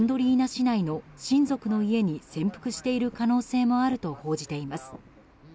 市内の親族の家に潜伏している可能性もあると報じています。